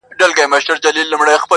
منصور دا ځلي د دې کلي ملا کړو،